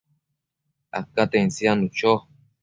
acaten siadnu cho